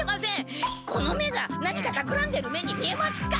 この目が何かたくらんでる目に見えますか？